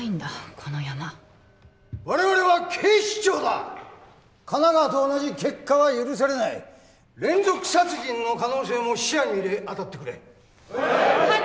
このヤマ我々は警視庁だ神奈川と同じ結果は許されない連続殺人の可能性も視野に入れあたってくれはい